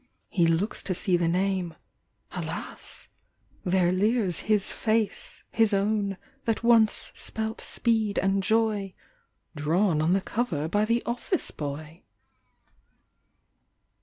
He looks to see the name, alas ! there leers 61 His face, his own, that once spelt speed and joy — ^^Drawn on the cover by the office boy